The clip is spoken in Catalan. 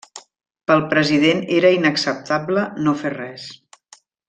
Pel president era inacceptable no fer res.